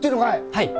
はい。